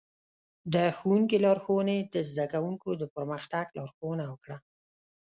د ښوونکي لارښوونې د زده کوونکو د پرمختګ لارښوونه وکړه.